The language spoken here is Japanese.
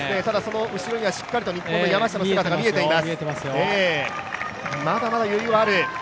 後ろにはしっかりと日本の山下の姿が見えています。